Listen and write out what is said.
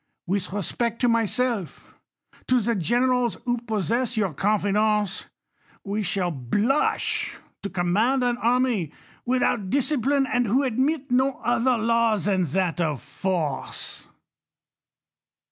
With respect to myself ; to the generals who possess your confidence, we shall blush to command an ^ rarmy without dicipline, and who admit no other law ' than that of force.